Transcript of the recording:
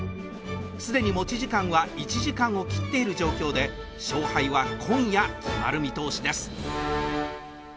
既に持ち時間は１時間を切っている状況で勝敗は今夜決まる見通しです。